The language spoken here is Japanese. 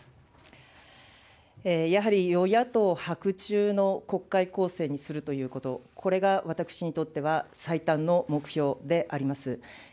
やはり与野党伯仲の国会構成にするということ、これが私にとっては最短の目標であります。